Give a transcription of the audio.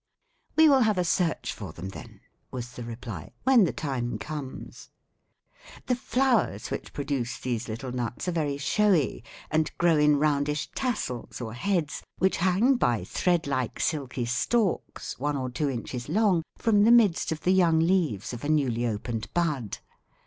"We will have a search for them, then," was the reply, "when the time comes. The flowers which produce these little nuts are very showy and grow in roundish tassels, or heads, which hang by thread like, silky stalks, one or two inches long, from the midst of the young leaves of a newly opened bud.